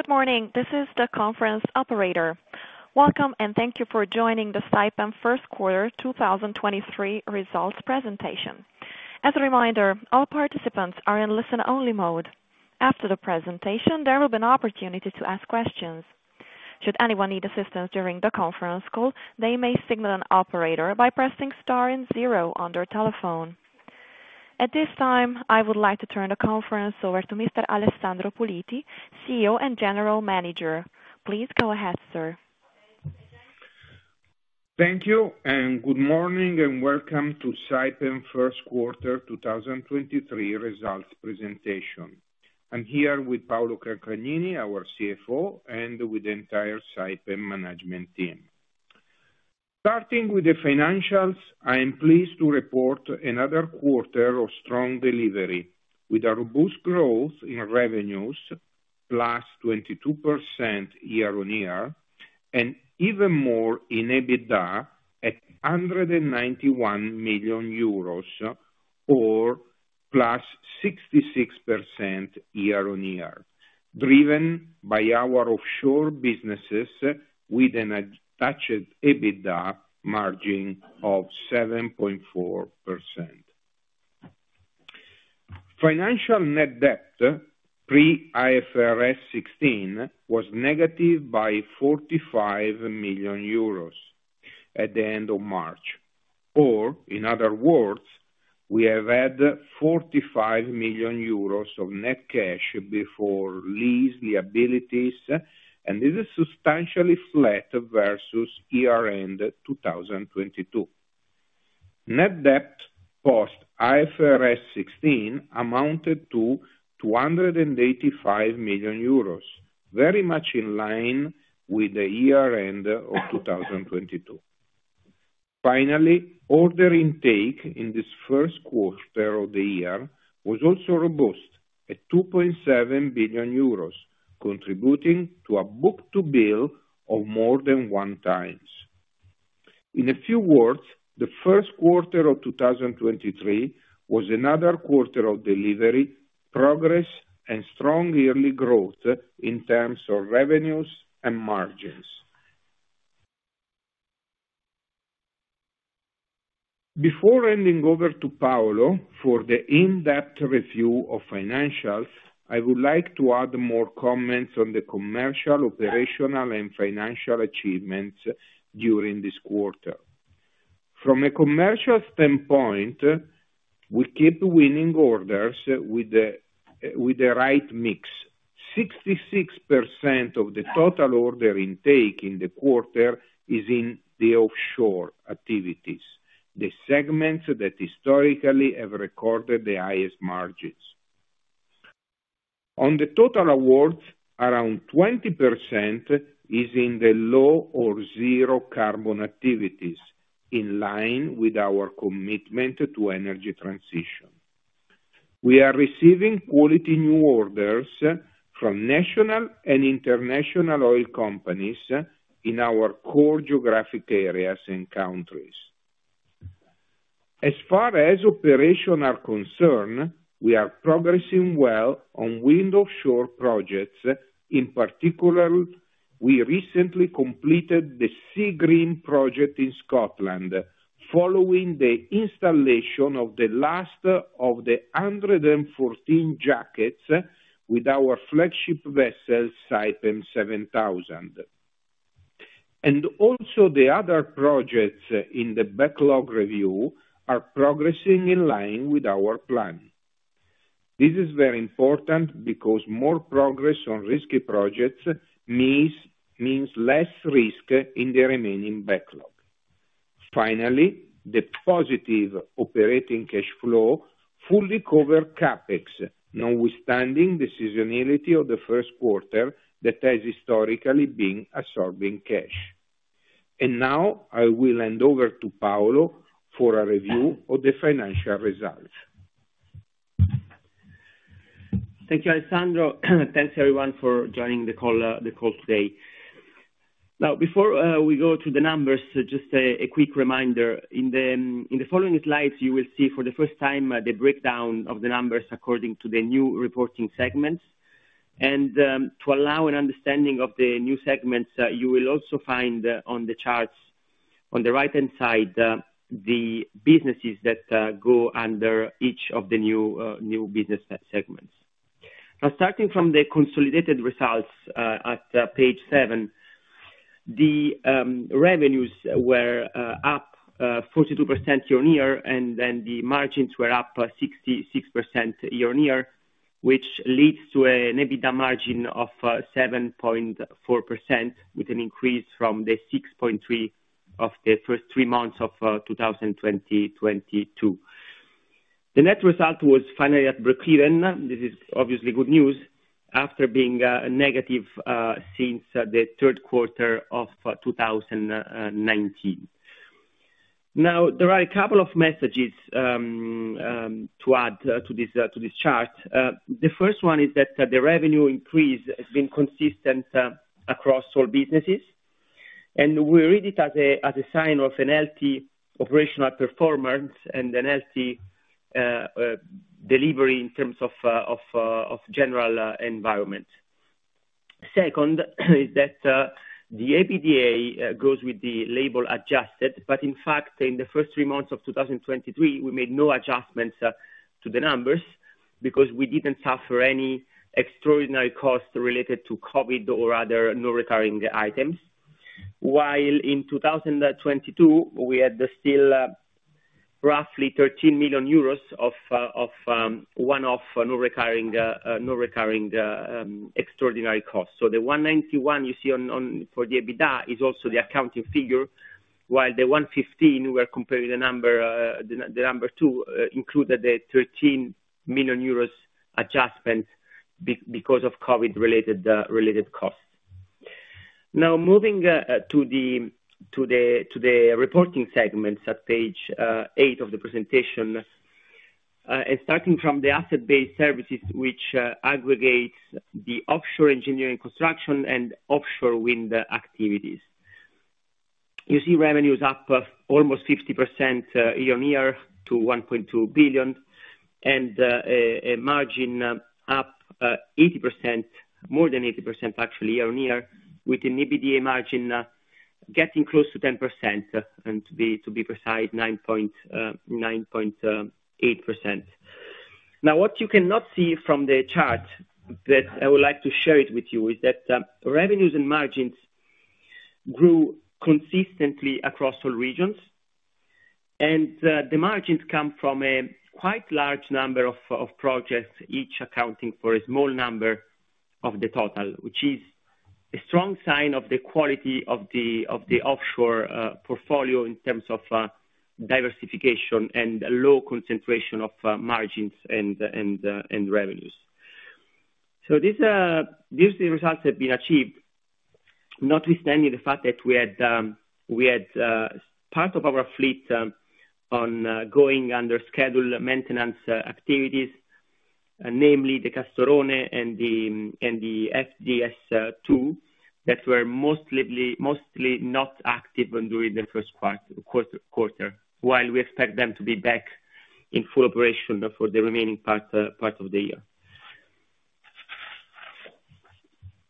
Good morning. This is the conference operator. Welcome, and thank you for joining the Saipem 1st quarter 2023 results presentation. As a reminder, all participants are in listen-only mode. After the presentation, there will be an opportunity to ask questions. Should anyone need assistance during the conference call, they may signal an operator by pressing star and 0 on their telephone. At this time, I would like to turn the conference over to Mr. Alessandro Puliti, CEO and General Manager. Please go ahead, sir. Thank you, good morning, and welcome to Saipem 1st quarter 2023 results presentation. I'm here with Paolo Calcagnini, our CFO, and with the entire Saipem management team. Starting with the financials, I am pleased to report another quarter of strong delivery with a robust growth in revenues, +22% year-on-year, and even more in EBITDA at 191 million euros or +66% year-on-year, driven by our offshore businesses with an attached EBITDA margin of 7.4%. Financial net debt, pre IFRS 16, was negative by 45 million euros at the end of March, or in other words, we have had 45 million euros of net cash before lease liabilities, and this is substantially flat versus year-end 2022. Net debt post IFRS 16 amounted to 285 million euros, very much in line with the year-end of 2022. Order intake in this first quarter of the year was also robust at 2.7 billion euros, contributing to a book-to-bill of more than 1 times. In a few words, the first quarter of 2023 was another quarter of delivery, progress and strong yearly growth in terms of revenues and margins. Before handing over to Paolo for the in-depth review of financials, I would like to add more comments on the commercial, operational and financial achievements during this quarter. From a commercial standpoint, we keep winning orders with the right mix. 66% of the total order intake in the quarter is in the offshore activities, the segments that historically have recorded the highest margins. On the total awards, around 20% is in the low or zero carbon activities, in line with our commitment to energy transition. We are receiving quality new orders from national and international oil companies in our core geographic areas and countries. As far as operational are concerned, we are progressing well on wind offshore projects. In particular, we recently completed the Seagreen project in Scotland, following the installation of the last of the 114 jackets with our flagship vessel, Saipem 7000. Also the other projects in the backlog review are progressing in line with our plan. This is very important because more progress on risky projects means less risk in the remaining backlog. Finally, the positive operating cash flow fully cover CapEx, notwithstanding the seasonality of the first quarter that has historically been absorbing cash. Now I will hand over to Paolo for a review of the financial results. Thank you, Alessandro. Thanks everyone for joining the call today. Before we go to the numbers, just a quick reminder. In the following slides, you will see for the first time the breakdown of the numbers according to the new reporting segments. To allow an understanding of the new segments, you will also find on the charts on the right-hand side, the businesses that go under each of the new business segments. Starting from the consolidated results, at page 7, the revenues were up 42% year-on-year, the margins were up 66% year-on-year, which leads to an EBITDA margin of 7.4% with an increase from the 6.3% of the first 3 months of 2022. The net result was finally at breakeven, this is obviously good news, after being negative since the third quarter of 2019. There are a couple of messages to add to this, to this chart. The first one is that the revenue increase has been consistent across all businesses. We read it as a, as a sign of an healthy operational performance and an healthy delivery in terms of general environment. Second, is that the EBITDA goes with the label adjusted, but in fact in the first 3 months of 2023, we made no adjustments to the numbers because we didn't suffer any extraordinary costs related to COVID or other non-recurring items. While in 2022, we had still, roughly 13 million euros of one of non-recurring, extraordinary costs. The 191 you see on for the EBITDA is also the accounting figure. While the 115 we're comparing the number, the number two, included the 13 million euros adjustment because of COVID related costs. Moving to the reporting segments at page eight of the presentation. Starting from the asset-based services which aggregates the offshore engineering construction and offshore wind activities. You see revenues up almost 50% year-on-year to 1.2 billion and a margin up 80%, more than 80% actually year-on-year, with an EBITDA margin getting close to 10%, and to be precise, 9.8%. Now, what you cannot see from the chart that I would like to share it with you, is that revenues and margins grew consistently across all regions. The margins come from a quite large number of projects, each accounting for a small number of the total, which is a strong sign of the quality of the offshore portfolio in terms of diversification and low concentration of margins and and revenues. This, these are the results have been achieved notwithstanding the fact that we had part of our fleet, on, going under scheduled maintenance activities, namely the Castorone and the FDS 2 that were mostly not active on during the first quarter, while we expect them to be back in full operation for the remaining part of the year.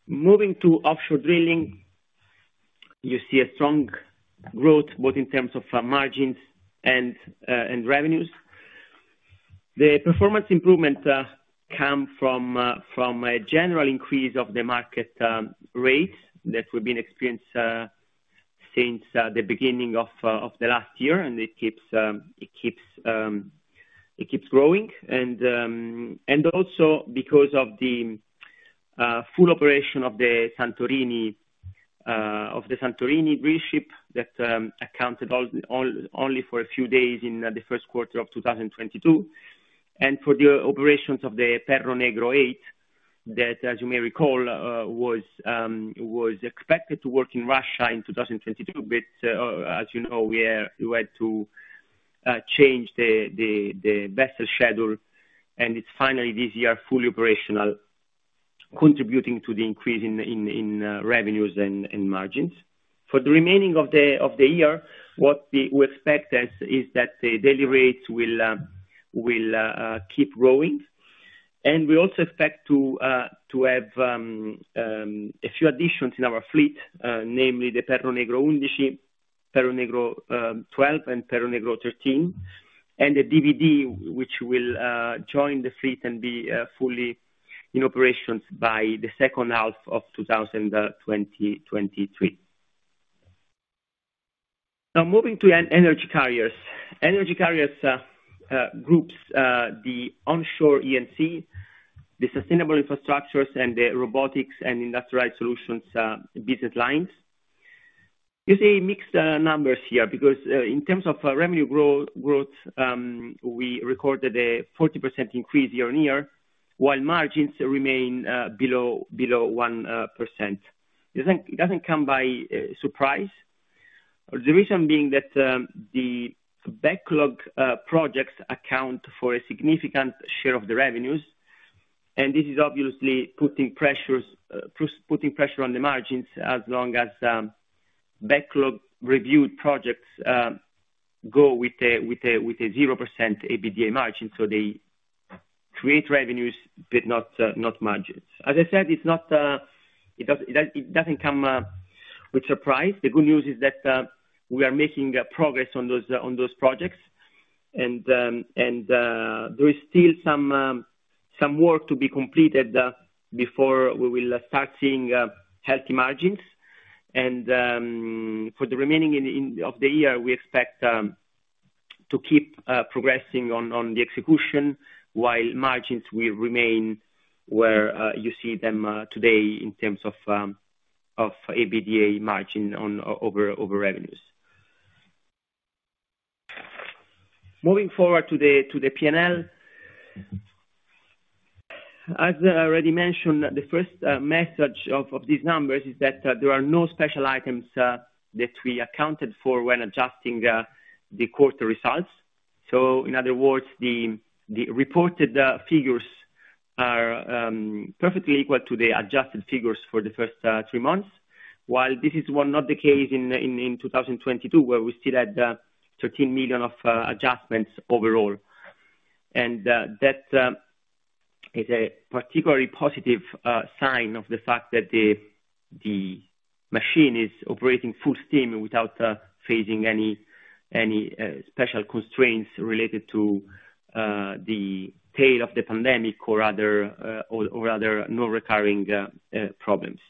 Moving to offshore drilling, you see a strong growth, both in terms of margins and revenues. The performance improvement, come from a general increase of the market rates that we've been experience since the beginning of the last year. It keeps growing. Also because of the full operation of the Santorini drillship that accounted only for a few days in the first quarter of 2022. For the operations of the Perro Negro 8, that, as you may recall, was expected to work in Russia in 2022. As you know, we had to change the vessel schedule, and it's finally this year, fully operational, contributing to the increase in revenues and margins. For the remaining of the year, what we expect is that the daily rates will keep growing. We also expect to have a few additions in our fleet, namely the Perro Negro 11, Perro Negro 12 and Perro Negro 13, and the DVD, which will join the fleet and be fully in operations by the second half of 2023. Moving to Energy carriers. Energy carriers groups the Onshore E&C, the sustainable infrastructures and the robotics and industrialized solutions business lines. You see mixed numbers here because in terms of revenue growth, we recorded a 40% increase year-on-year, while margins remain below 1%. It doesn't come by surprise. The reason being that the backlog projects account for a significant share of the revenues. This is obviously putting pressure on the margins as long as backlog reviewed projects go with a 0% EBITDA margin. They create revenues but not margins. As I said, it's not, it doesn't come with surprise. The good news is that we are making progress on those projects. There is still some work to be completed before we will start seeing healthy margins. For the remaining of the year, we expect to keep progressing on the execution, while margins will remain where you see them today in terms of EBITDA margin over revenues. Moving forward to the P&L. As I already mentioned, the first message of these numbers is that there are no special items that we accounted for when adjusting the quarter results. In other words, the reported figures are perfectly equal to the adjusted figures for the first 3 months, while this is, well, not the case in 2022, where we still had 13 million of adjustments overall. That is a particularly positive sign of the fact that the machine is operating full steam without facing any special constraints related to the tail of the pandemic or other non-recurring problems.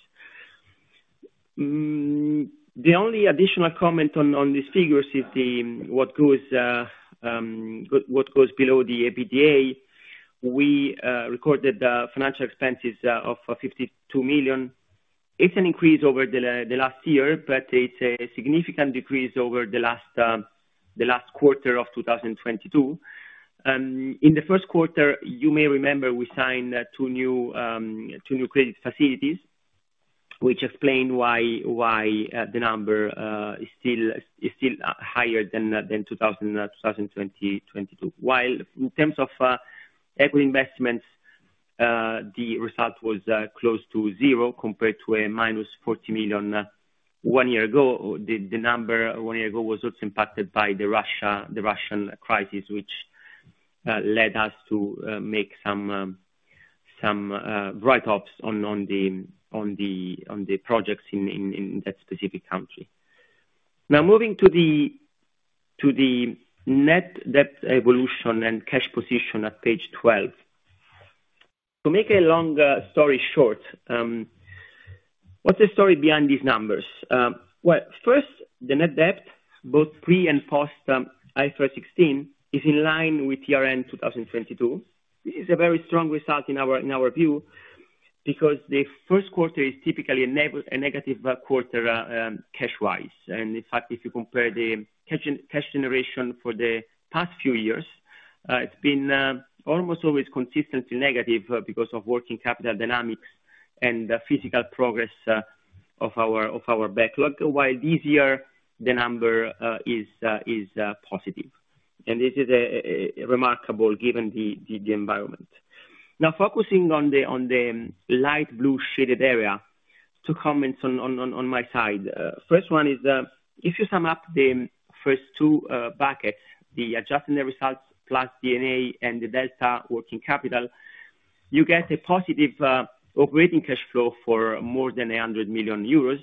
The only additional comment on these figures is what goes below the EBITDA. We recorded financial expenses of 52 million. It's an increase over the last year, but it's a significant decrease over the last quarter of 2022. In the first quarter, you may remember we signed two new credit facilities, which explain why the number is still higher than 2022. In terms of equity investments, the result was close to zero compared to a minus 40 million one year ago. The number one year ago was also impacted by the Russia, the Russian crisis, which led us to make some write ups on the projects in that specific country. Now moving to the net debt evolution and cash position at page 12. To make a long story short, what's the story behind these numbers? Well, first, the net debt, both pre and post, IFRS 16, is in line with TRN 2022. It's a very strong result in our view, because the first quarter is typically a negative quarter cash-wise. In fact, if you compare the cash generation for the past few years, it's been almost always consistently negative, because of working capital dynamics and the physical progress of our backlog, while this year, the number is positive. This is remarkable given the environment. Now focusing on the light blue shaded area. Two comments on my side. First one is, if you sum up the first two buckets, the adjusted net results plus D&A and the delta working capital, you get a positive operating cash flow for more than 100 million euros.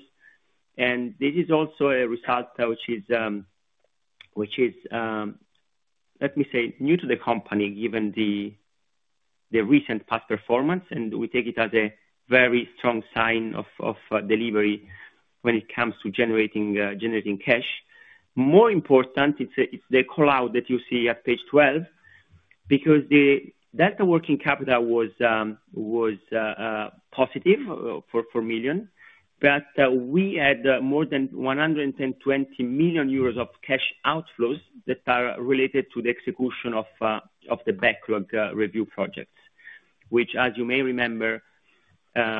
This is also a result which is, let me say, new to the company, given the recent past performance, and we take it as a very strong sign of delivery when it comes to generating cash. More important, it's the call-out that you see at page 12, because the delta working capital was positive for 4 million, but we had more than 120 million euros of cash outflows that are related to the execution of the backlog review projects. Which, as you may remember,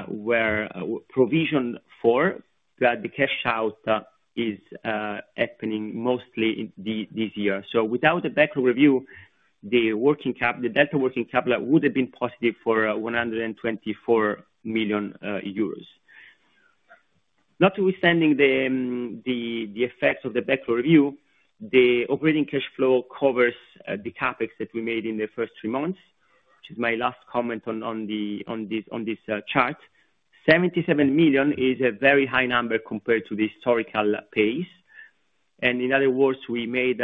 were provisioned for, but the cash out is happening mostly this year. Without the backlog review, the delta working capital would have been positive for 124 million euros. Notwithstanding the effects of the backlog review, the operating cash flow covers the CapEx that we made in the first 3 months, which is my last comment on this chart. 77 million is a very high number compared to the historical pace. In other words, we made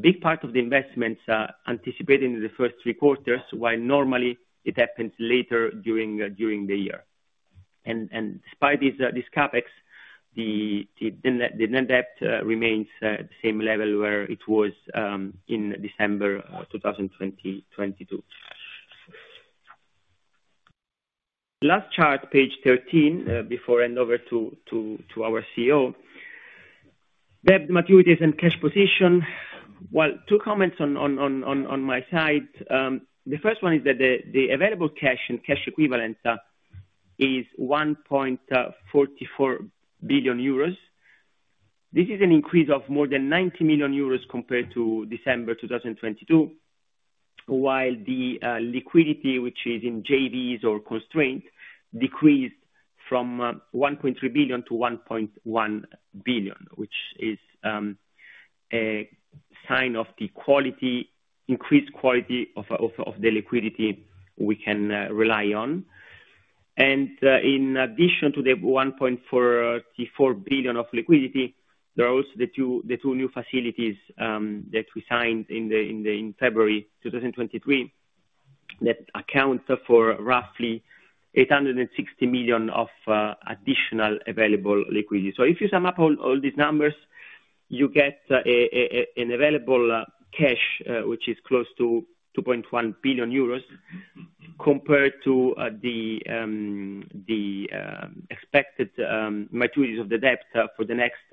big part of the investments anticipated in the first 3 quarters, while normally it happens later during the year. Despite this CapEx, the net debt remains the same level where it was in December 2022. Last chart, page 13, before hand over to our CO. Debt maturities and cash position. Well, two comments on my side. The first one is that the available cash and cash equivalents is 1.44 billion euros. This is an increase of more than 90 million euros compared to December 2022. While the liquidity, which is in JVs or constraints, decreased from 1.3 billion to 1.1 billion, which is a sign of the quality, increased quality of the liquidity we can rely on. In addition to the 1.44 billion of liquidity, there are also the two new facilities that we signed in February 2023, that accounts for roughly 860 million of additional available liquidity. If you sum up all these numbers, you get an available cash which is close to 2.1 billion euros, compared to the expected maturities of the debt for the next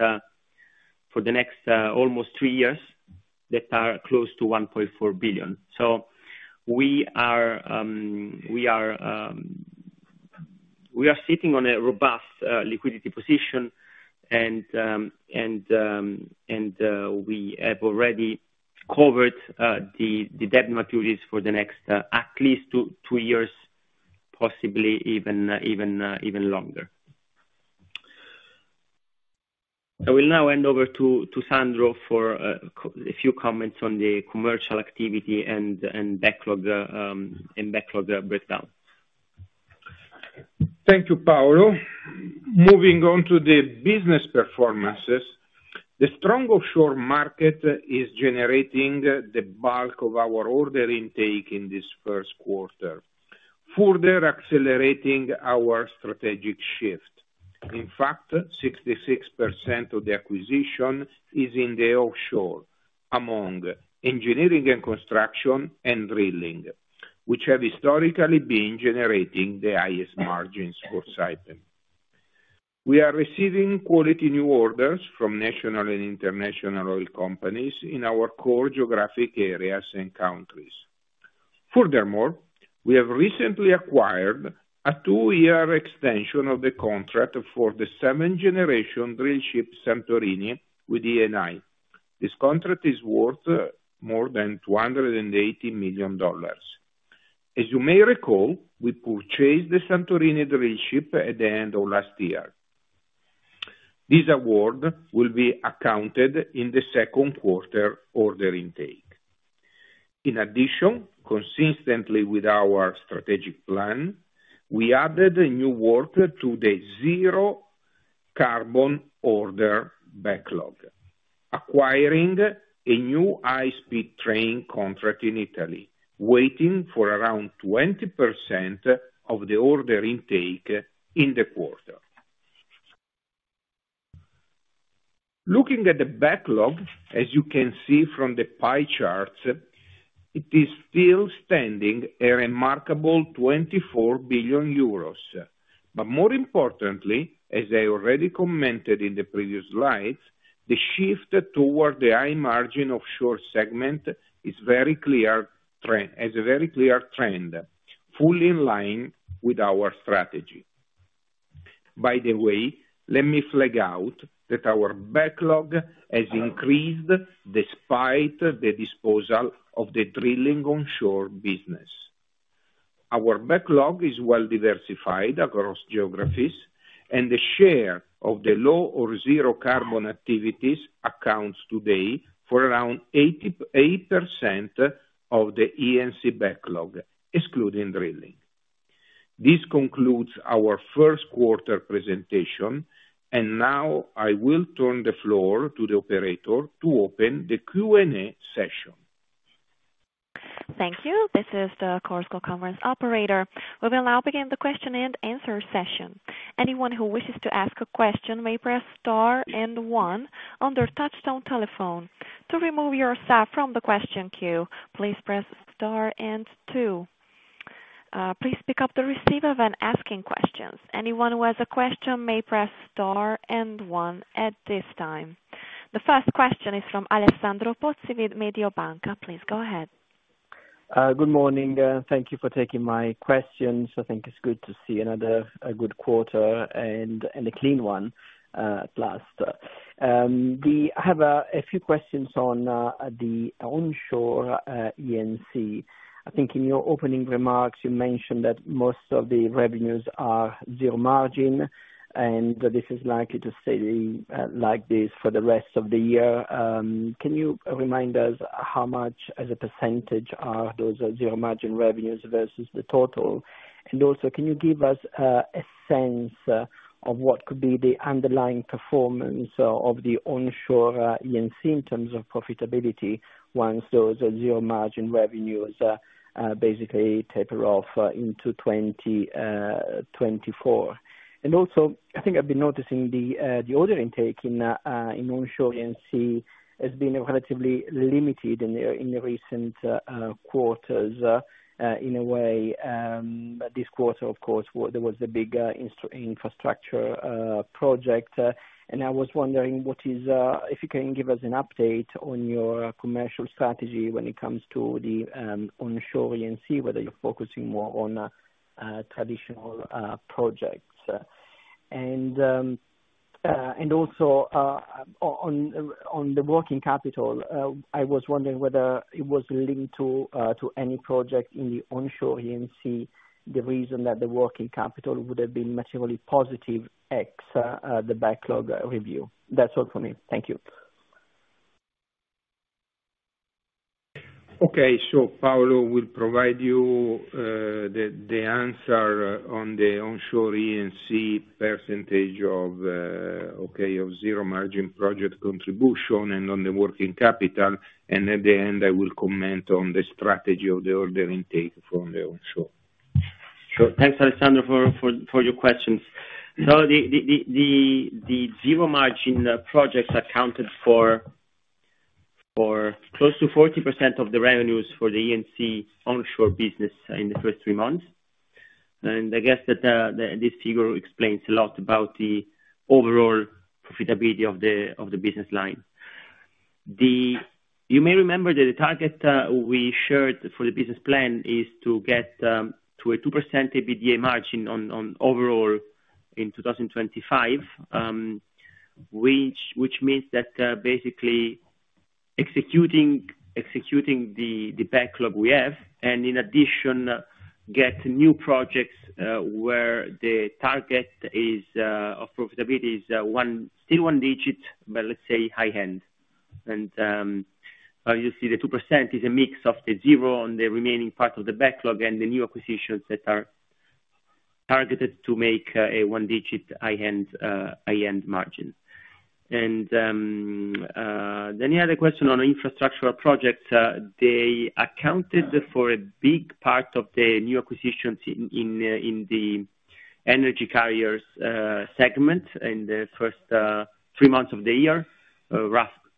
almost three years that are close to 1.4 billion. We are sitting on a robust liquidity position and we have already covered the debt maturities for the next at least two years, possibly even longer. I will now hand over to Sandro for a few comments on the commercial activity and backlog breakdown. Thank you, Paolo. Moving on to the business performances. The strong offshore market is generating the bulk of our order intake in this first quarter, further accelerating our strategic shift. 66% of the acquisition is in the offshore, among engineering and construction, and drilling, which have historically been generating the highest margins for Saipem. We are receiving quality new orders from national and international oil companies in our core geographic areas and countries. We have recently acquired a 2-year extension of the contract for the seventh-generation drillship Santorini with ENI. This contract is worth more than $280 million. As you may recall, we purchased the Santorini drillship at the end of last year. This award will be accounted in the second quarter order intake. In addition, consistently with our strategic plan, we added a new work to the zero carbon order backlog, acquiring a new high-speed train contract in Italy, waiting for around 20% of the order intake in the quarter. Looking at the backlog, as you can see from the pie charts, it is still standing a remarkable 24 billion euros. More importantly, as I already commented in the previous slides, the shift toward the high margin of short segment has a very clear trend, fully in line with our strategy. By the way, let me flag out that our backlog has increased despite the disposal of the drilling onshore business. Our backlog is well diversified across geographies, the share of the low or zero carbon activities accounts today for around 8% of the E&C backlog, excluding drilling. This concludes our first quarter presentation, and now I will turn the floor to the operator to open the Q&A session. Thank you. This is the Chorus Call Conference operator. We will now begin the question and answer session. Anyone who wishes to ask a question may press star and 1 on their touchtone telephone. To remove yourself from the question queue, please press star and 2. Please pick up the receiver when asking questions. Anyone who has a question may press star and 1 at this time. The first question is from Alessandro Pozzi with Mediobanca. Please go ahead. Good morning. Thank you for taking my questions. I think it's good to see another, a good quarter and a clean one at last. I have a few questions on the Onshore E&C. I think in your opening remarks, you mentioned that most of the revenues are zero margin, and this is likely to stay like this for the rest of the year. Can you remind us how much as a percentage are those zero margin revenues versus the total? Also, can you give us a sense of what could be the underlying performance of the Onshore E&C in terms of profitability once those zero margin revenues basically taper off into 2024? Also, I think I've been noticing the order intake in Onshore E&C has been relatively limited in the recent quarters. In a way, this quarter, of course, there was a big infrastructure project, and I was wondering if you can give us an update on your commercial strategy when it comes to the Onshore E&C, whether you're focusing more on traditional projects. Also, on the working capital, I was wondering whether it was linked to any project in the Onshore E&C, the reason that the working capital would have been materially positive ex the backlog review. That's all for me. Thank you. Okay. Paolo will provide you the answer on the Onshore E&C percentage of zero margin project contribution and on the working capital. At the end, I will comment on the strategy of the order intake from the onshore. Sure. Thanks, Alessandro, for your questions. The zero margin projects accounted for close to 40% of the revenues for the E&C onshore business in the first 3 months. I guess that this figure explains a lot about the overall profitability of the business line. You may remember that the target we shared for the business plan is to get to a 2% EBITDA margin on overall in 2025, which means that basically executing the backlog we have, and in addition get new projects where the target is of profitability is one-still one digit, but let's say high end. You see the 2% is a mix of the 0 on the remaining part of the backlog and the new acquisitions that are targeted to make a 1 digit high hand margin. Any other question on infrastructural projects, they accounted for a big part of the new acquisitions in the energy carriers segment in the first 3 months of the year,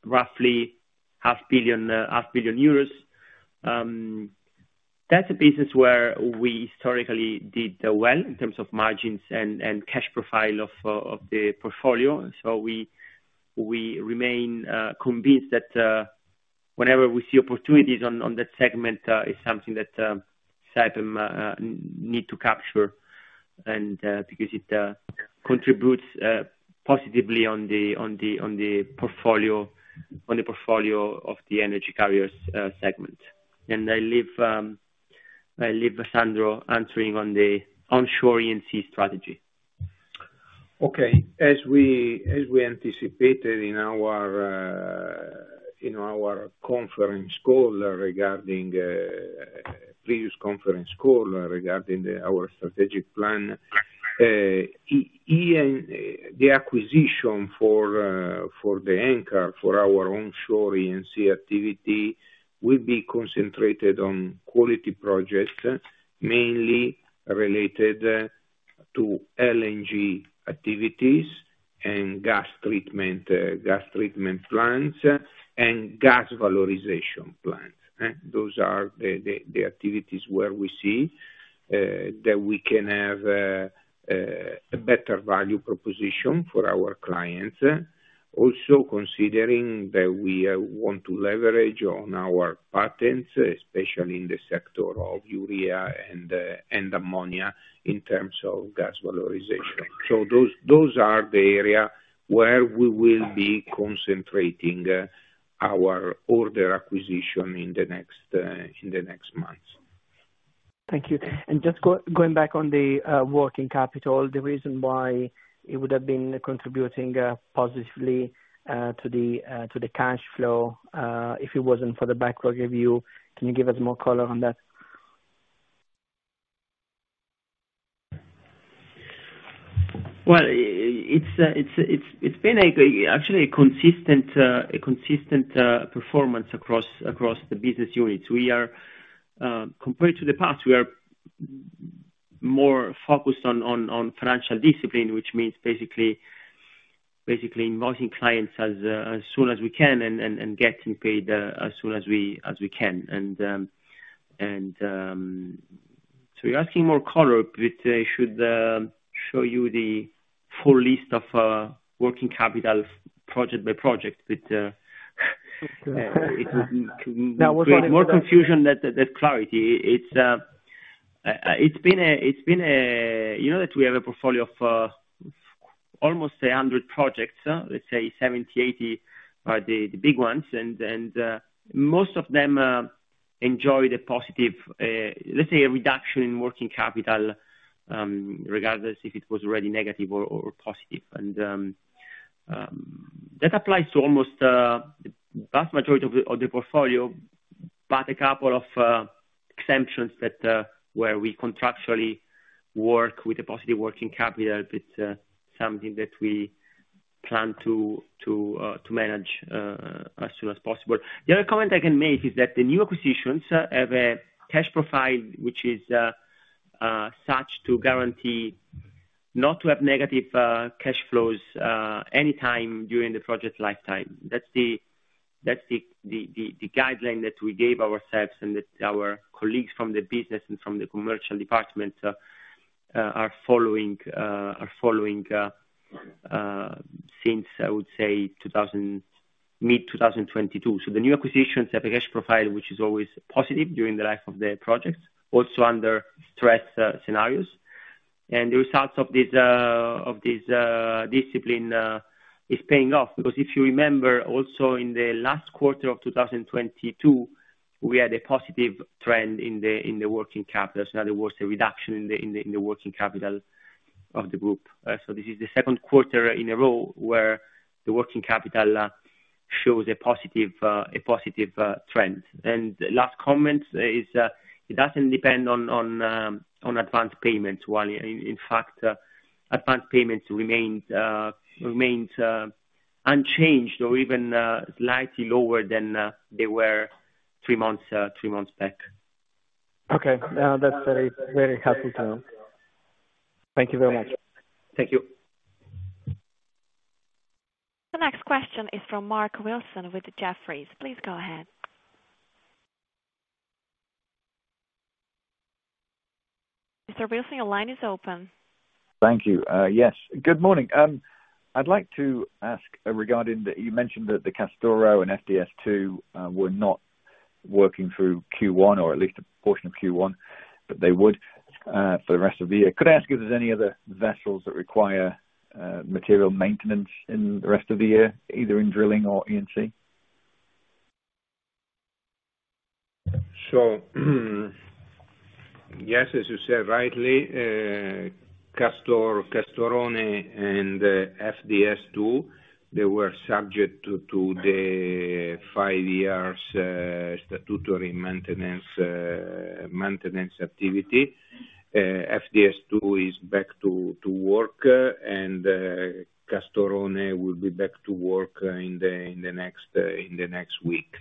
roughly half billion EUR. That's a business where we historically did well in terms of margins and cash profile of the portfolio. we remain convinced that whenever we see opportunities on that segment, it's something that Saipem need to capture and because it contributes positively on the portfolio of the energy carriers segment. I leave Sandro answering on the Onshore E&C strategy. Okay. As we anticipated in our in our conference call regarding previous conference call regarding our strategic plan, and the acquisition for for the anchor, for our Onshore E&C activity will be concentrated on quality projects, mainly related to LNG activities and gas treatment, gas treatment plants and gas valorization plants. Those are the activities where we see that we can have a better value proposition for our clients. Also, considering that we want to leverage on our patents, especially in the sector of urea and ammonia, in terms of gas valorization. Those are the area where we will be concentrating our order acquisition in the next in the next months. Thank you. Just going back on the working capital, the reason why it would have been contributing positively to the cash flow, if it wasn't for the backlog review. Can you give us more color on that? Well, it's been actually a consistent performance across the business units. We are, compared to the past, we are more focused on financial discipline, which means basically invoicing clients as soon as we can and getting paid as soon as we can. You're asking more color, which I should show you the full list of working capital project by project, which it would create more confusion than clarity. It's been a... You know that we have a portfolio of almost 100 projects. Let's say 70, 80 are the big ones. Most of them enjoy the positive, let's say a reduction in working capital, regardless if it was already negative or positive. That applies to almost vast majority of the portfolio, but a couple of exemptions that where we contractually work with a positive working capital. It's something that we plan to manage as soon as possible. The other comment I can make is that the new acquisitions have a cash profile, which is such to guarantee not to have negative cash flows any time during the project lifetime. That's the guideline that we gave ourselves and that our colleagues from the business and from the commercial department are following since, I would say 2000... mid 2022. The new acquisitions have a cash profile which is always positive during the life of the projects, also under stress scenarios. The results of this discipline is paying off. Because if you remember also in the last quarter of 2022, we had a positive trend in the working capital. In other words, the reduction in the working capital of the group. This is the second quarter in a row where the working capital shows a positive trend. Last comment is, it doesn't depend on advanced payments. While in fact, advanced payments remained unchanged or even slightly lower than they were 3 months back. Okay. That's very helpful to know. Thank you very much. Thank you. The next question is from Mark Wilson with Jefferies. Please go ahead. Mr. Wilson, your line is open. Thank you. Yes. Good morning. I'd like to ask regarding that you mentioned that the Castoro and FDS 2 were not working through Q1, or at least a portion of Q1, but they would for the rest of the year. Could I ask if there's any other vessels that require material maintenance in the rest of the year, either in drilling or E&C? Yes, as you said rightly, Castor, Castorone, and FDS 2, they were subject to the 5 years statutory maintenance activity. FDS 2 is back to work, and Castorone will be back to work in the next week.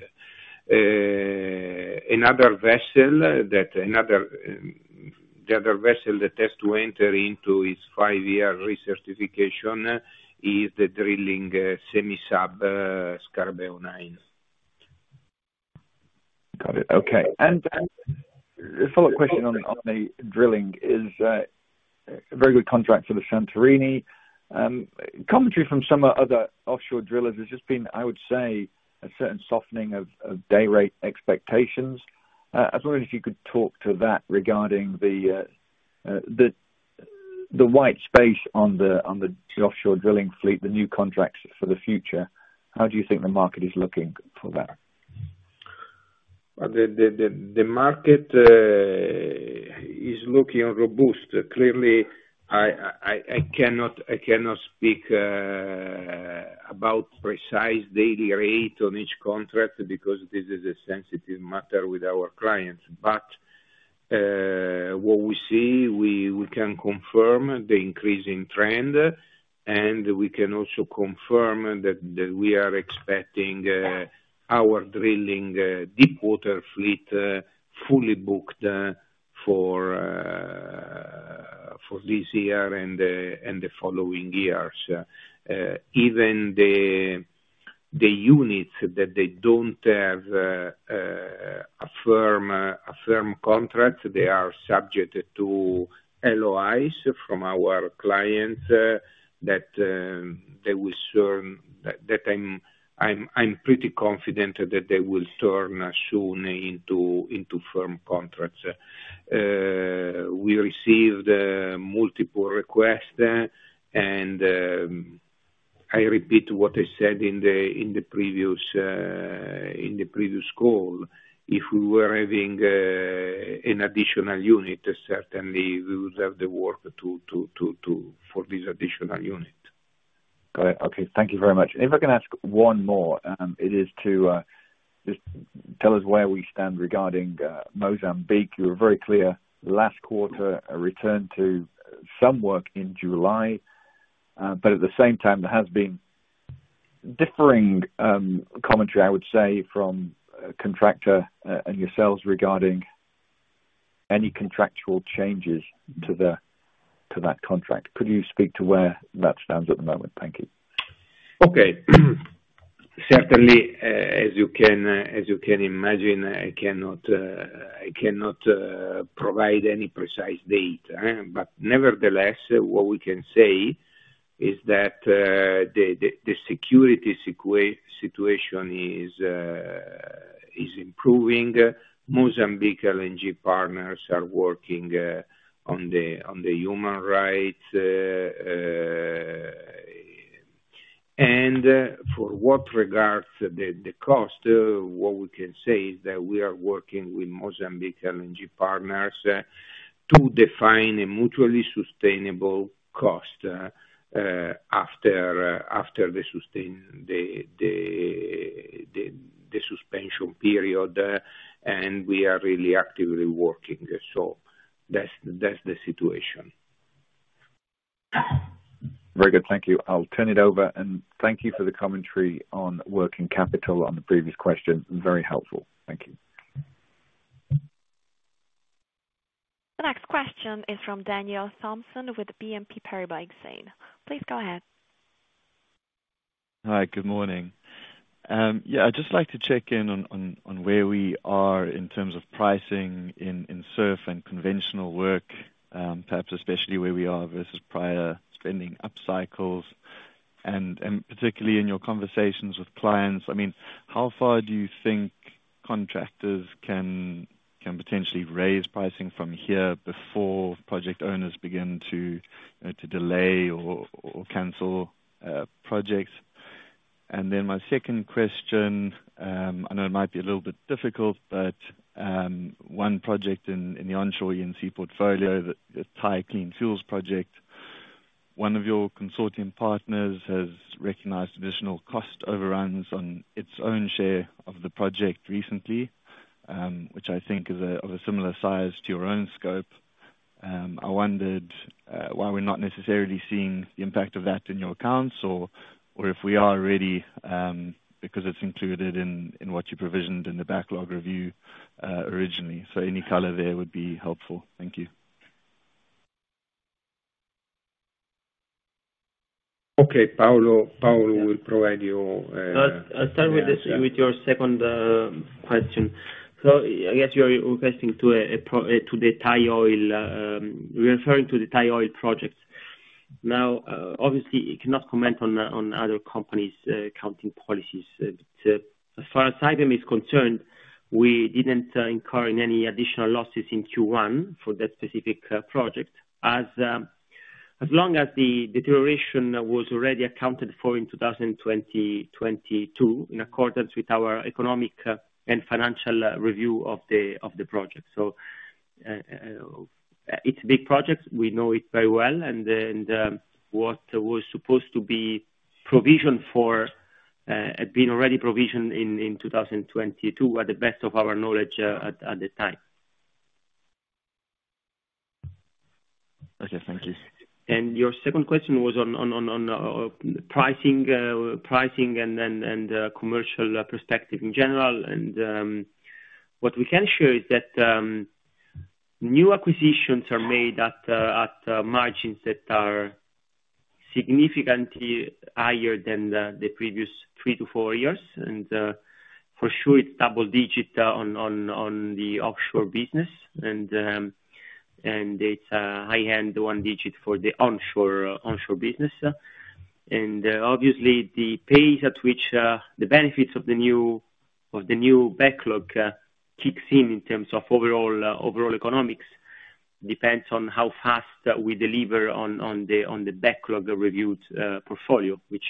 The other vessel that has to enter into its 5-year recertification is the drilling semi-sub, Scarabeo 9. Got it. Okay. A follow-up question on the, on the drilling is a very good contract for the Santorini. Commentary from some other offshore drillers has just been, I would say, a certain softening of day rate expectations. I was wondering if you could talk to that regarding the white space on the offshore drilling fleet, the new contracts for the future. How do you think the market is looking for that? The market is looking robust. Clearly, I cannot speak about precise daily rate on each contract because this is a sensitive matter with our clients. What we see, we can confirm the increasing trend, and we can also confirm that we are expecting our drilling deepwater fleet fully booked for this year and the following years. Even the units that they don't have a firm contract, they are subject to LOIs from our clients that I'm pretty confident that they will turn soon into firm contracts. We received multiple requests there, and I repeat what I said in the previous, in the previous call. If we were having an additional unit, certainly we would have the work for this additional unit. Got it. Okay. Thank you very much. If I can ask one more, it is to just tell us where we stand regarding Mozambique. You were very clear last quarter, a return to some work in July. At the same time, there has been differing commentary, I would say, from contractor and yourselves regarding any contractual changes to that contract. Could you speak to where that stands at the moment? Thank you. Okay. Certainly, as you can imagine, I cannot provide any precise date. Nevertheless, what we can say is that the security situation is improving. Mozambique LNG partners are working on the human rights. For what regards the cost, what we can say is that we are working with Mozambique LNG partners to define a mutually sustainable cost after the suspension period, and we are really actively working. That's the situation. Very good. Thank you. I'll turn it over, and thank you for the commentary on working capital on the previous question. Very helpful. Thank you. The next question is from Daniel Thomson with BNP Paribas Exane. Please go ahead. Hi, good morning. Yeah, I'd just like to check in on where we are in terms of pricing in SURF and conventional work, perhaps especially where we are versus prior spending up cycles, and particularly in your conversations with clients. I mean, how far do you think contractors can potentially raise pricing from here before project owners begin to delay or cancel projects? My second question, I know it might be a little bit difficult, but one project in the Onshore E&C portfolio, the Thai Clean Fuels Project. One of your consortium partners has recognized additional cost overruns on its own share of the project recently, which I think is of a similar size to your own scope. I wondered why we're not necessarily seeing the impact of that in your accounts or if we are already, because it's included in what you provisioned in the backlog review, originally. Any color there would be helpful. Thank you. Okay, Paolo will provide you. I'll start with your second question. I guess you are requesting to the Thai Oil, referring to the Thai Oil project. Obviously cannot comment on other companies' accounting policies. As far as Saipem is concerned, we didn't incur any additional losses in Q1 for that specific project. As long as the deterioration was already accounted for in 2022, in accordance with our economic and financial review of the project. It's a big project, we know it very well. What was supposed to be provisioned for had been already provisioned in 2022, at the best of our knowledge, at the time. Okay, thank you. Your second question was on pricing and commercial perspective in general. What we can share is that new acquisitions are made at margins that are significantly higher than the previous 3-4 years. For sure it's double-digit on the offshore business. It's high-end 1-digit for the onshore business. Obviously the pace at which the benefits of the new backlog kicks in in terms of overall economics, depends on how fast we deliver on the backlog, the reviews portfolio, which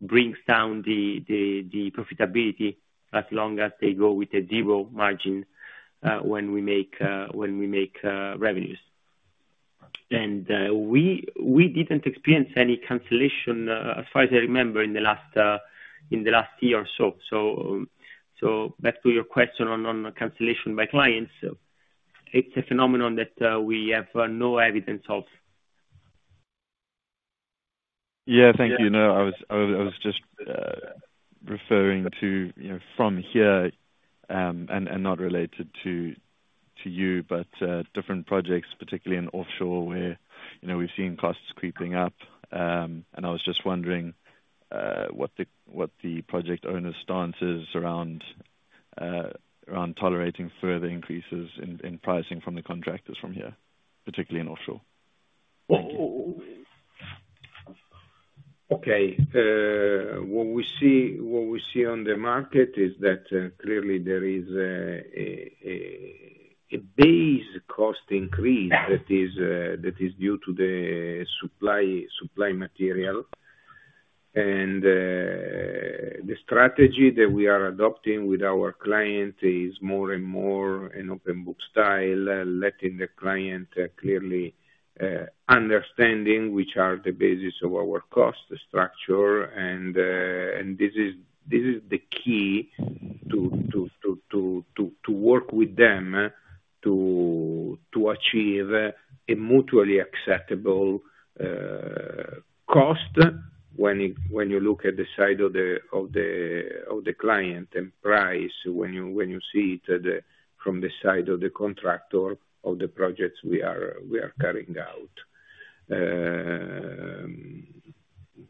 brings down the profitability as long as they go with a 0% margin when we make revenues. We didn't experience any cancellation, as far as I remember, in the last year or so. Back to your question on cancellation by clients, it's a phenomenon that we have no evidence of. Yeah. Thank you. No, I was just referring to, you know, from here, and not related to you, but different projects, particularly in offshore, where, you know, we've seen costs creeping up. I was just wondering what the project owners' stance is around tolerating further increases in pricing from the contractors from here, particularly in offshore. Thank you. Okay. What we see on the market is that, clearly there is a base cost increase that is due to the supply material. The strategy that we are adopting with our client is more and more an open book style, letting the client clearly understanding which are the basis of our cost structure. This is the key to work with them to achieve a mutually acceptable cost when you look at the side of the client, and price when you see it from the side of the contractor of the projects we are carrying out.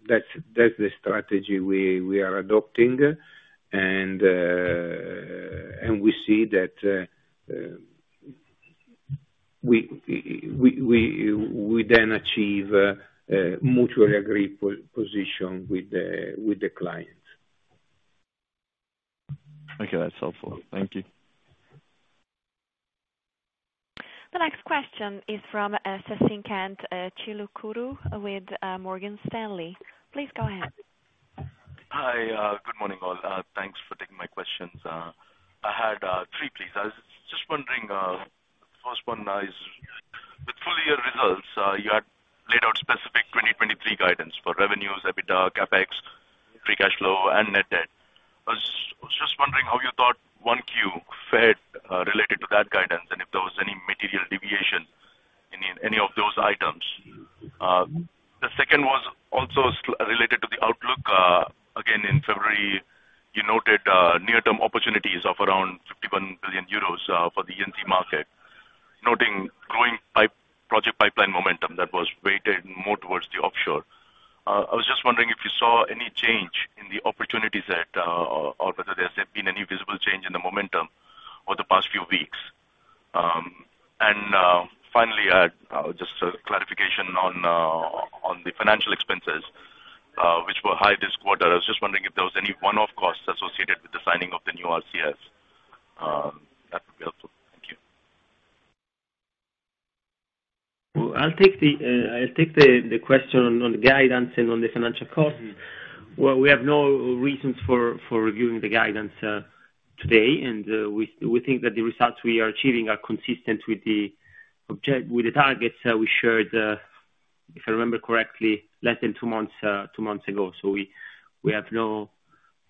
That's the strategy we are adopting. n achieve a mutually agreed position with the clients Okay, that's helpful. Thank you. The next question is from Guilherme Levy, with Morgan Stanley. Please go ahead. Hi, good morning all. Thanks for taking my questions. I had three please. I was just wondering, the first one is, with full year results, you had laid out specific 2023 guidance for revenues, EBITDA, CapEx, free cash flow, and net debt. I was just wondering how you thought 1Q fared, related to that guidance, and if there was any material deviation in any of those items? The second was also related to the outlook. Again, in February, you noted near-term opportunities of around 51 billion euros for the E&C market, noting growing project pipeline momentum that was weighted more towards the offshore. I was just wondering if you saw any change in the opportunities that, or whether there's been any visible change in the momentum over the past few weeks? Finally, just a clarification on the financial expenses, which were high this quarter. I was just wondering if there was any one-off costs associated with the signing of the new RCF, that would be helpful. Thank you. Well, I'll take the question on the guidance and on the financial costs. Well, we have no reasons for reviewing the guidance today. We think that the results we are achieving are consistent with the targets we shared, if I remember correctly, less than 2 months ago. We have no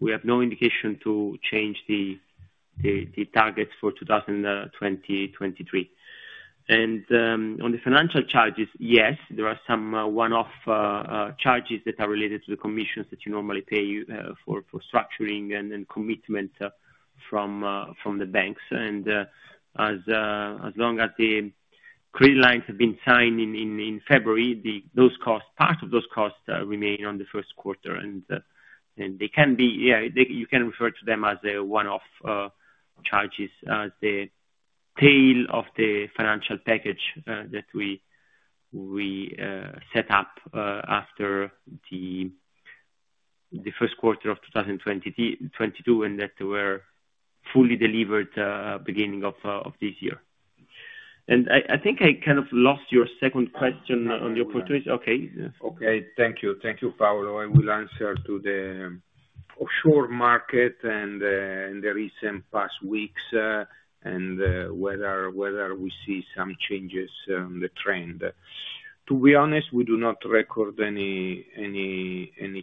indication to change the targets for 2023. On the financial charges, yes, there are some one-off charges that are related to the commissions that you normally pay for structuring and commitments from the banks. As long as the Credit lines have been signed in February. Those costs, part of those costs, remain on the first quarter and you can refer to them as a one-off charges, as the tail of the financial package that we set up after the first quarter of 2022, and that were fully delivered beginning of this year. I think I kind of lost your second question on the opportunity. Okay. Okay. Thank you. Thank you, Paolo. I will answer to the offshore market in the recent past weeks, and whether we see some changes on the trend. To be honest, we do not record any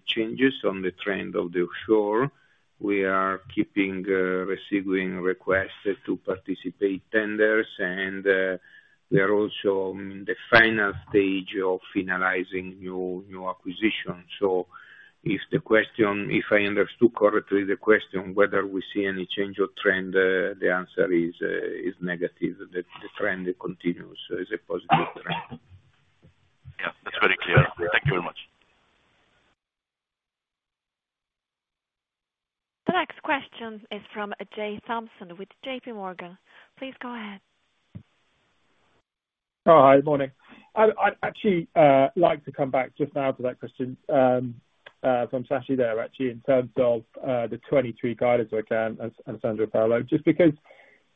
changes on the trend of the offshore. We are keeping receiving requests to participate tenders and we are also in the final stage of finalizing new acquisitions. If I understood correctly the question, whether we see any change of trend, the answer is negative. The trend continues, so it's a positive trend. Yeah. That's very clear. Thank you very much. The next question is from Jay Thompson with JPMorgan. Please go ahead. Oh, hi. Morning. I'd actually like to come back just now to that question from Sashi there, actually, in terms of the 2023 guidance, if I can, send to Paolo. Just because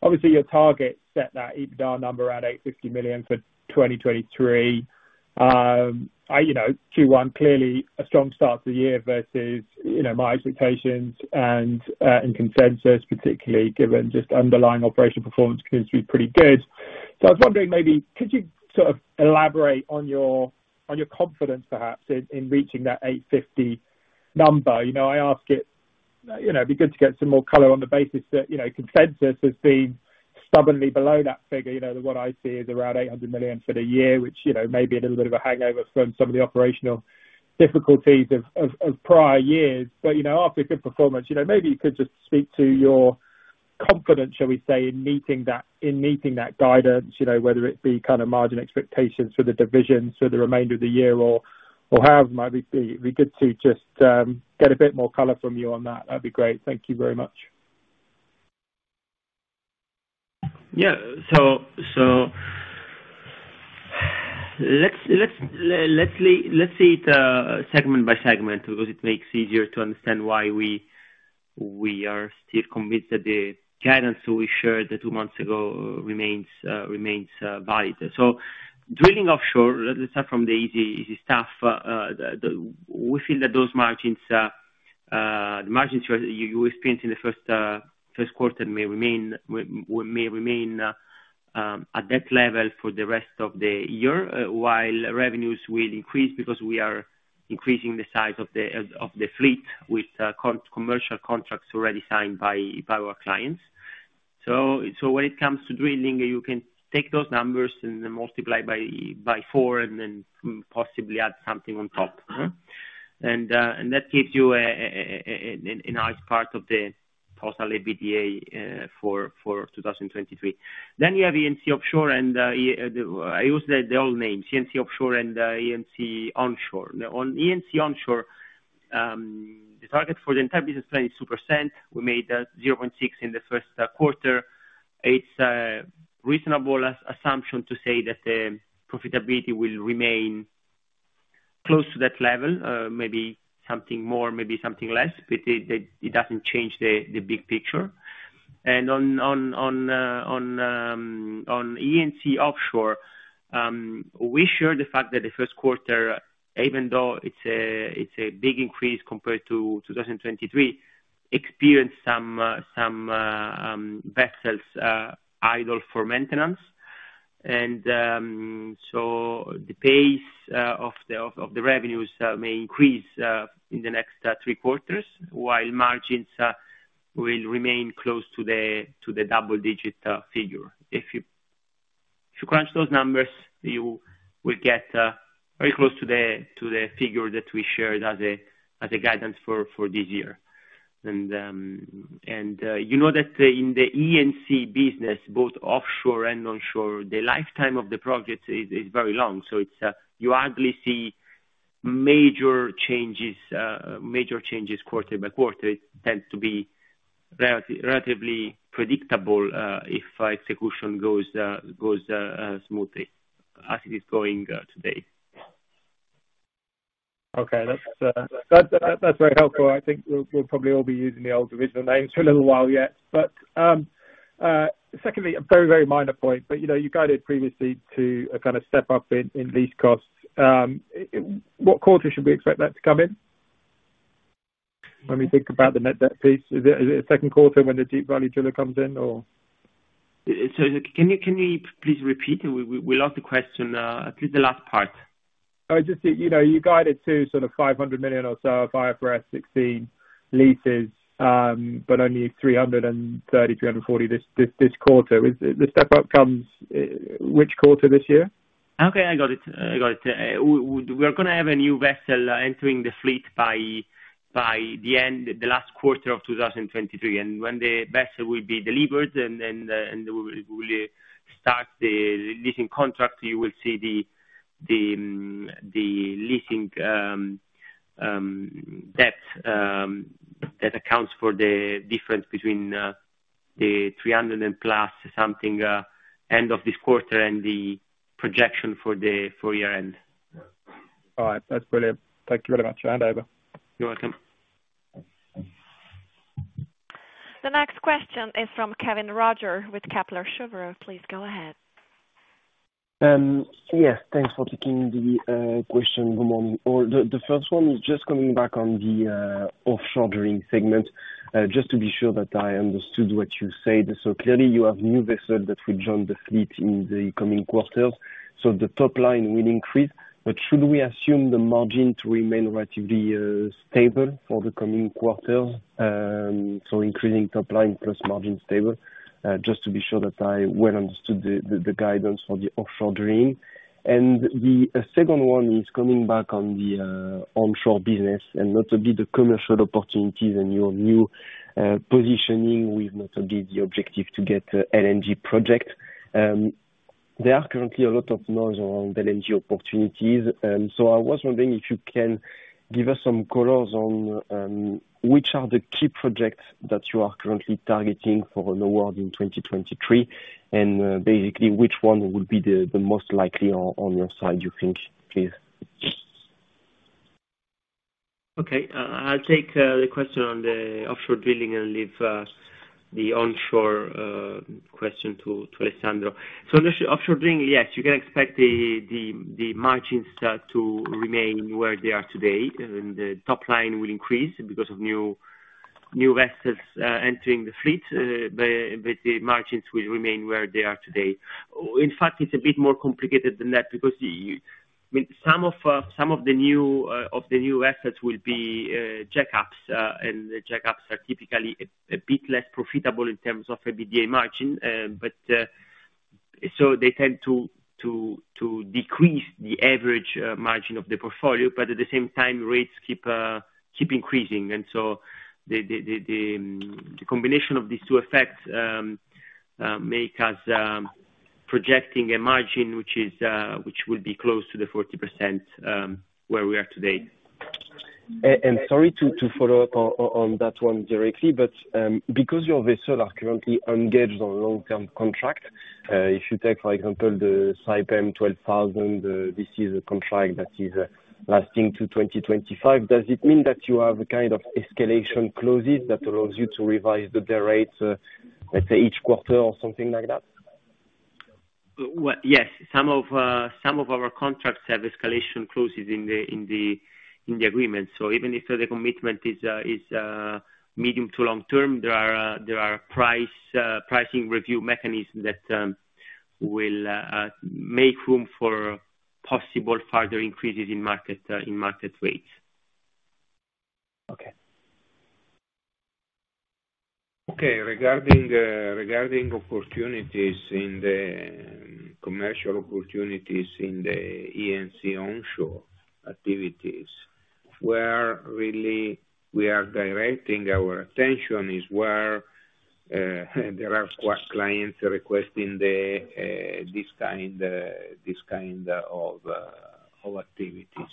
obviously your target set that EBITDA number at 850 million for 2023. I, you know, 21, clearly a strong start to the year versus, you know, my expectations and consensus, particularly given just underlying operational performance continues to be pretty good. I was wondering maybe could you sort of elaborate on your confidence perhaps in reaching that 850 number? You know, I ask it, you know, it'd be good to get some more color on the basis that, you know, consensus has been stubbornly below that figure. You know, what I see is around 800 million for the year, which, you know, may be a little bit of a hangover from some of the operational difficulties of prior years. You know, after a good performance, you know, maybe you could just speak to your confidence, shall we say, in meeting that guidance, you know, whether it be kind of margin expectations for the divisions for the remainder of the year or however it might be. It'd be good to just get a bit more color from you on that. That'd be great. Thank you very much. Yeah. Let's see it segment by segment because it makes easier to understand why we are still convinced that the guidance we shared 2 months ago remains valid. Drilling offshore, let's start from the easy stuff. We feel that those margins, the margins you experienced in the 1st quarter may remain, may remain at that level for the rest of the year, while revenues will increase because we are increasing the size of the fleet with commercial contracts already signed by our clients. When it comes to drilling, you can take those numbers and then multiply by 4 and then possibly add something on top. Uh-huh. That gives you a nice part of the total EBITDA for 2023. You have E&C offshore and, I use the old names, E&C offshore and E&C onshore. On E&C onshore, the target for the entire business plan is 2%. We made 0.6% in the first quarter. It's a reasonable assumption to say that the profitability will remain close to that level, maybe something more, maybe something less, but it doesn't change the big picture. On E&C offshore, we are sure the fact that the first quarter, even though it's a big increase compared to 2023, experienced some vessels idle for maintenance. And, um, so the pace, uh, of the, of the revenues, uh, may increase, uh, in the next, uh, three quarters, while margins, uh, will remain close to the, to the double-digit, uh, figure. If you, if you crunch those numbers, you will get, uh, very close to the, to the figure that we shared as a, as a guidance for, for this year. And, um, and, uh, you know that in the E&C business, both offshore and onshore, the lifetime of the projects is, is very long. So it's, uh, you hardly see major changes, uh, major changes quarter by quarter. It tends to be relatively, relatively predictable, uh, if execution goes, uh, goes, uh, uh, smoothly as it is going, uh, today. Okay. That's very helpful. I think we'll probably all be using the old original names for a little while yet. Secondly, a very, very minor point, but you know, you guided previously to a kind of step up in these costs. What quarter should we expect that to come in when we think about the net debt piece? Is it the second quarter when the Deep Value Driller comes in or? can you please repeat? We lost the question, at least the last part. Just that, you know, you guided to sort of 500 million or so IFRS 16 leases, only 330-340 this quarter. The step up comes which quarter this year? Okay, I got it. I got it. we're gonna have a new vessel entering the fleet by the end, the last quarter of 2023. When the vessel will be delivered, and we'll start the leasing contract, you will see the leasing debt that accounts for the difference between 300 and plus something end of this quarter and the projection for the four year end. All right. That's brilliant. Thank you very much. Hand over. You're welcome. The next question is from Kevin Roger with Kepler Cheuvreux. Please go ahead. Yes, thanks for taking the question. Good morning. The first one is just coming back on the offshore drilling segment. Just to be sure that I understood what you said. Clearly you have new vessel that will join the fleet in the coming quarters, so the top line will increase. Should we assume the margin to remain relatively stable for the coming quarters, so increasing top line plus margin stable? Just to be sure that I well understood the guidance for the offshore drilling. The second one is coming back on the onshore business and not only the commercial opportunities and your new positioning with not only the objective to get LNG project. There are currently a lot of noise around the LNG opportunities. I was wondering if you can give us some colors on which are the key projects that you are currently targeting for award in 2023, basically which one would be the most likely on your side, you think, please? Okay. I'll take the question on the offshore drilling and leave the onshore question to Alessandro. On the offshore drilling, yes, you can expect the margins to remain where they are today, and the top line will increase because of new vessels entering the fleet, but the margins will remain where they are today. In fact, it's a bit more complicated than that because I mean, some of the new vessels will be jackups, and the jackups are typically a bit less profitable in terms of EBITDA margin. So they tend to decrease the average margin of the portfolio, but at the same time, rates keep increasing. The combination of these two effects make us projecting a margin which is which will be close to the 40% where we are today. Sorry to follow up on that one directly, but, because your vessels are currently engaged on long term contract, if you take, for example, the Saipem 12000, this is a contract that is lasting to 2025. Does it mean that you have a kind of escalation clauses that allows you to revise the rates, let's say, each quarter or something like that? Yes. Some of our contracts have escalation clauses in the agreement. Even if the commitment is medium to long term, there are price, pricing review mechanism that will make room for possible further increases in market rates. Okay. Okay. Regarding opportunities in the commercial opportunities in the E&C onshore activities, where really we are directing our attention is where there are clients requesting the this kind of activities.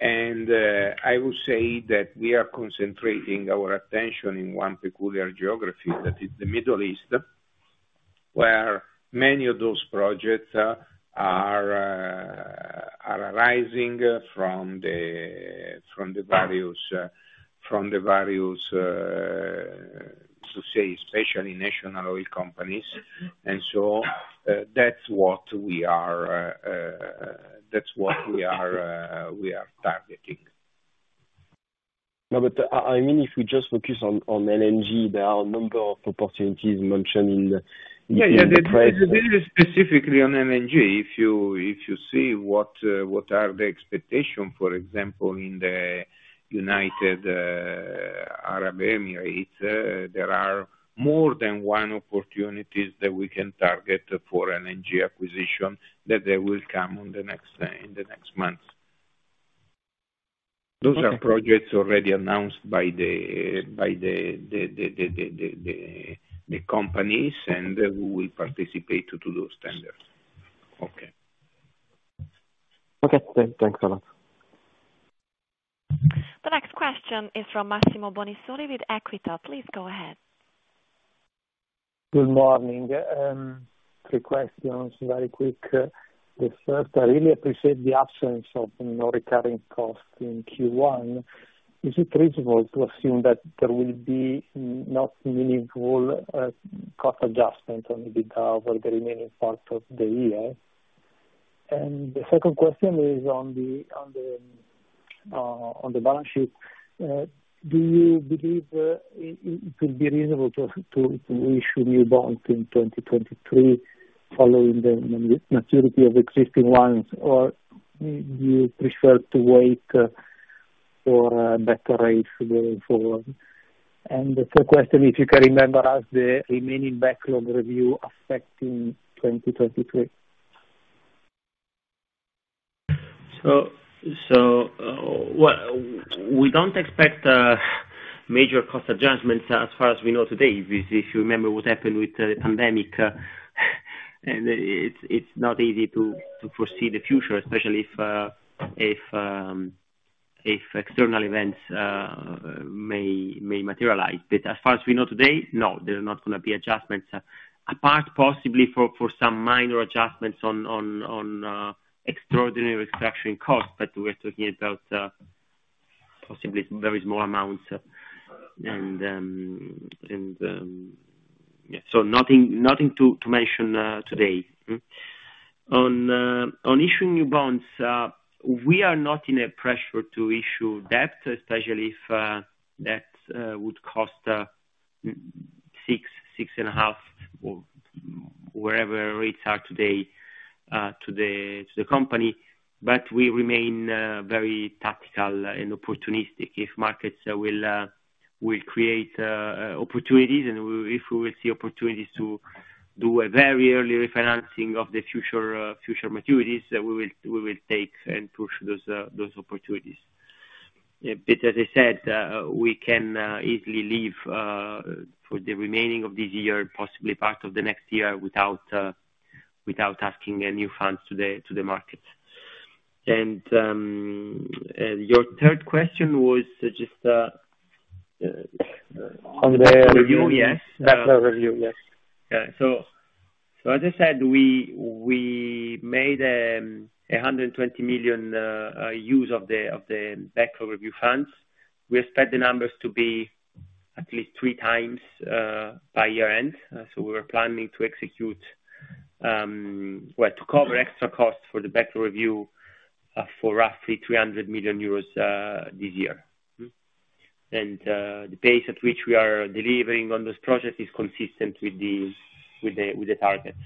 I would say that we are concentrating our attention in one peculiar geography that is the Middle East, where many of those projects are arising from the various, to say, national oil companies. That's what we are, we are targeting. No, I mean, if we just focus on LNG, there are a number of opportunities mentioned in the. Yeah. The specifically on LNG. If you see what are the expectations, for example, in the United Arab Emirates, there are more than one opportunities that we can target for LNG acquisition that they will come in the next months. Okay. Those are projects already announced by the companies. We will participate to those tenders. Okay. Okay, thanks. Thanks a lot. The next question is from Massimo Bonisoli with Equita. Please go ahead. Good morning. three questions, very quick. The first, I really appreciate the absence of no recurring costs in Q1. Is it reasonable to assume that there will be not meaningful cost adjustments on the data for the remaining parts of the year? The second question is on the balance sheet. Do you believe it could be reasonable to issue new bonds in 2023 following the maturity of existing ones, or do you prefer to wait? For better rates going forward. The third question, if you can remember, ask the remaining backlog review affecting 2023? Well, we don't expect major cost adjustments as far as we know today. If you remember what happened with the pandemic, and it's not easy to foresee the future, especially if external events may materialize. But as far as we know today, no, there's not gonna be adjustments, apart possibly for some minor adjustments on extraordinary extraction costs, but we're talking about possibly very small amounts. Yeah. Nothing to mention today. On issuing new bonds, we are not in a pressure to issue debt, especially if that would cost 6.5 or wherever rates are today to the company. We remain very tactical and opportunistic if markets will create opportunities, and if we will see opportunities to do a very early refinancing of the future future maturities, we will take and push those those opportunities. As I said, we can easily leave for the remaining of this year and possibly part of the next year without asking any funds to the market. Your third question was just. On the- Review, yes. Backlog review, yes. As I said, we made 120 million use of the backlog review funds. We expect the numbers to be at least 3 times by year-end. We were planning to execute, well, to cover extra costs for the backlog review, for roughly 300 million euros this year. The pace at which we are delivering on this project is consistent with the targets.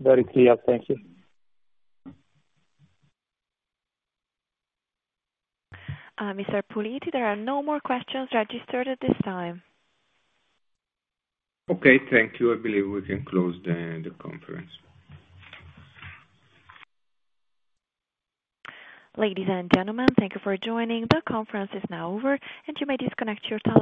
Very clear. Thank you. Mr. Puliti, there are no more questions registered at this time. Okay, thank you. I believe we can close the conference. Ladies and gentlemen, thank you for joining. The conference is now over, and you may disconnect your telephones.